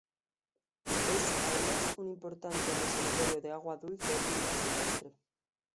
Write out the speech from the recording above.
Es además un importante reservorio de agua dulce y vida silvestre.